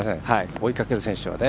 追いかける選手はね。